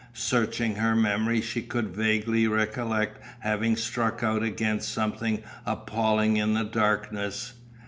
Searching her memory she could vaguely recollect having struck out against something appalling in the darkness.